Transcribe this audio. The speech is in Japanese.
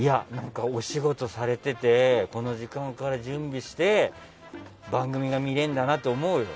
お仕事されていてこの時間から準備して番組が見れるんだなと思うよ。